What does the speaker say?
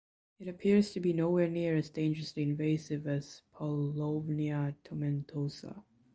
It appears to be nowhere near as dangerously invasive as "Paulownia tomentosa".